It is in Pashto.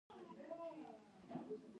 د بند امیر ملي پارک په کوم کال اعلان شو؟